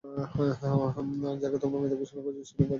যাকে তোমরা মৃত ঘোষণা করেছ, সেই লোক বেঁচে আছে, ছেলেটা ওকে দেখেছে।